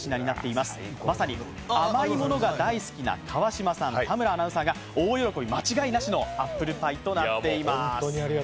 まさに甘いものが大好きな川島さん、田村アナウンサーが大喜び間違いなしのアップルパイとなっています。